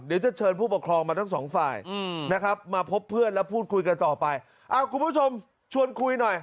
เดี๋ยวเชิญผู้ปกครองมาทั้ง๒ฝ่าย